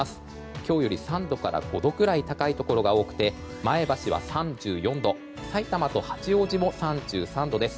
今日より３度から５度くらい高いところが多くて前橋は３４度さいたまと八王子も３３度です。